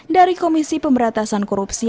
dari komisi pemberatasan korupsi